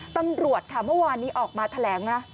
ตำรวจค่ะเมื่อวานนี้ออกมาแถลงนะ